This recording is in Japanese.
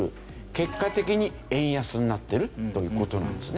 結果的に円安になってるという事なんですね。